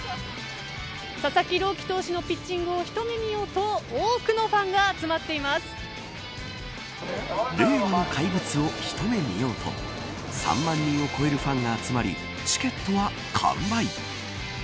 佐々木朗希投手のピッチングを一目見ようと令和の怪物を一目見ようと３万人を超えるファンが集まりチケットは完売。